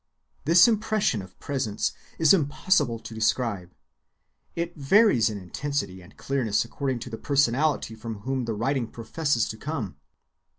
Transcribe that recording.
This impression of presence is impossible to describe. It varies in intensity and clearness according to the personality from whom the writing professes to come.